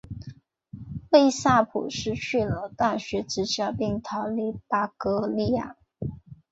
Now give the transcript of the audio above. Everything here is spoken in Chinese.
魏萨普失去了大学教职并逃离巴伐利亚。